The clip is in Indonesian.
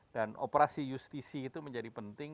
dan operasi justisi itu menjadi penting